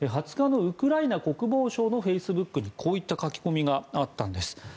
２０日のウクライナ国防省のフェイスブックにこういった書き込みがあったんです。